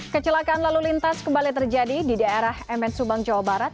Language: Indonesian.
kecelakaan lalu lintas kembali terjadi di daerah mn subang jawa barat